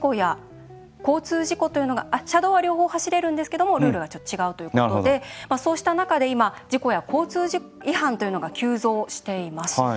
車道は両方走れるんですけどもルールがちょっと違うということでそうした中で今事故や交通違反というのが急増しています。